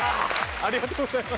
ありがとうございます。